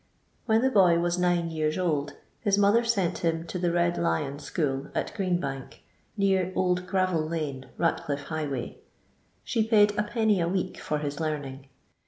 When the boy was nine years old his mother sent him to the Bed Lion school at Green bank, near Old Gravel lane, Batdifie highway; she paid l(i. a week for his learning.